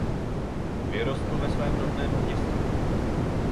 Vyrostl ve svém rodném městě.